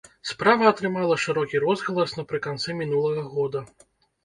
Справа атрымала шырокі розгалас напрыканцы мінулага года.